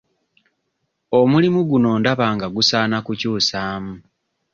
Omulimu guno ndaba nga gusaana kukyusaamu.